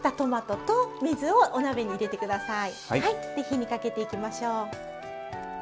火にかけていきましょう。